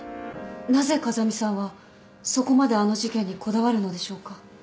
なぜ風見さんはそこまであの事件にこだわるのでしょうか。